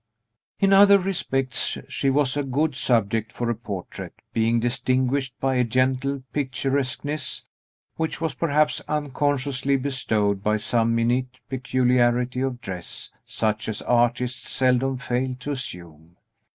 In other respects, she was a good subject for a portrait, being distinguished by a gentle picturesqueness, which was perhaps unconsciously bestowed by some minute peculiarity of dress, such as artists seldom fail to assume.